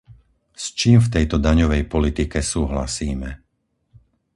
S čím v tejto daňovej politike súhlasíme?